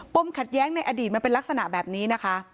ขัดแย้งในอดีตมันเป็นลักษณะแบบนี้นะคะ